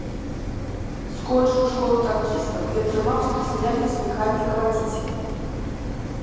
Скончыў школу танкістаў і атрымаў спецыяльнасць механіка-вадзіцеля.